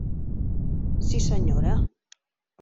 Sí, senyora.